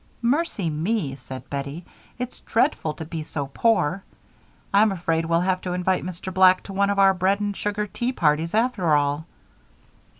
"Mercy me," said Bettie, "it's dreadful to be so poor! I'm afraid we'll have to invite Mr. Black to one of our bread and sugar tea parties, after all."